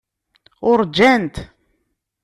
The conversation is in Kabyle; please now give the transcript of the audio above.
Uṛǧant.